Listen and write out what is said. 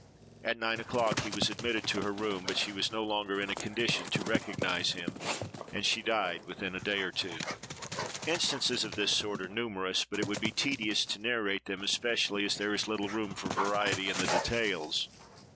At nine o'clock he was admitted to her room; but she was no longer in a condition to recognise him, and she died within a day or two. Instances of this sort are numerous, but it would be tedious to narrate them, especially as there is little room for variety in the details.